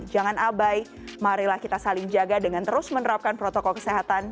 jangan abai marilah kita saling jaga dengan terus menerapkan protokol kesehatan